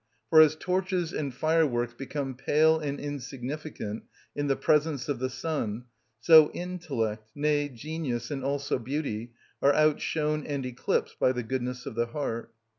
For as torches and fireworks become pale and insignificant in the presence of the sun, so intellect, nay, genius, and also beauty, are outshone and eclipsed by the goodness of the heart.